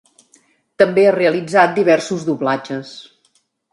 També ha realitzat diversos doblatges.